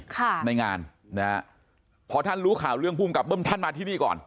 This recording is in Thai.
ค่ะในงานนะฮะพอท่านรู้ข่าวเรื่องภูมิกับเบิ้มท่านมาที่นี่ก่อน